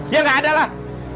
ya gak ada lah